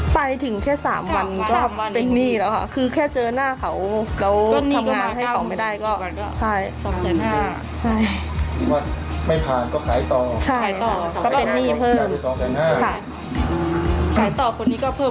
ปากกับภาคภูมิ